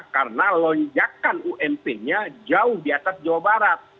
karena lonjakan ump nya jauh di atas jawa barat